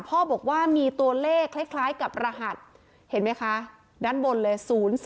บอกว่ามีตัวเลขคล้ายกับรหัสเห็นไหมคะด้านบนเลย๐๒